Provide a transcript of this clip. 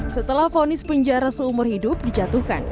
setelah fonis penjara seumur hidup dijatuhkan